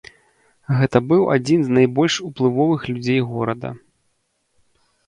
Гэта быў адзін з найбольш уплывовых людзей горада.